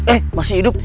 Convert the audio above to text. eh masih hidup